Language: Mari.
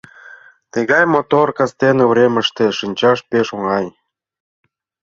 — Тыгай мотор кастене уремыште шинчаш пеш оҥай!..